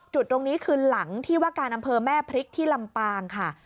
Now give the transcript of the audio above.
จุดตรงนี้คือหลังที่ว่าการอำเภอแม่พริกที่ลำปางค่ะ